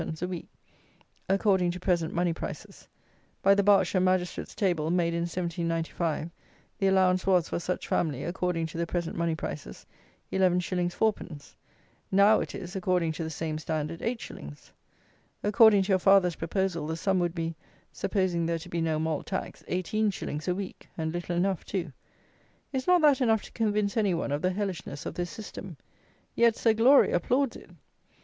_ a week, according to present money prices. By the Berkshire Magistrates' table, made in 1795, the allowance was, for such family, according to the present money prices, 11_s._ 4_d._ Now it is, according to the same standard, 8_s._ According to your father's proposal, the sum would be (supposing there to be no malt tax) 18_s._ a week; and little enough too." Is not that enough to convince any one of the hellishness of this system? Yet Sir Glory applauds it.